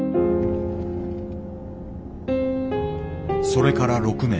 それから６年。